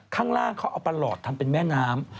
ข้างล่างเขาเอาประหลอดทำเป็นแม่น้ำ